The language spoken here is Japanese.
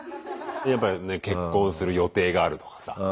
やっぱね結婚する予定があるとかさ。